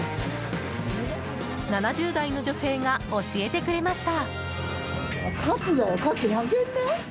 ７０代の女性が教えてくれました。